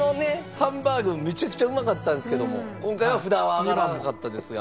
ハンバーグもめちゃくちゃうまかったんですけども今回は札は上がらなかったですが。